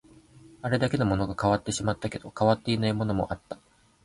あれだけのものが変わってしまったけど、変わっていないものもあった